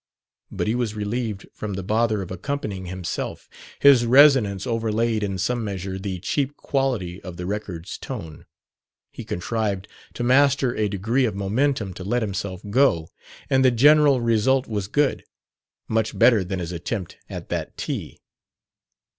But he was relieved from the bother of accompanying himself; his resonance overlaid in some measure the cheap quality of the record's tone; he contrived to master a degree of momentum to let himself go; and the general result was good, much better than his attempt at that tea.